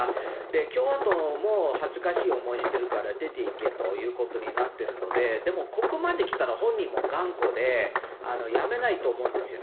共和党ももう恥ずかしい思いしてるから出ていけということになってるので、でもここまできたら本人も頑固で、辞めないと思うんですよね。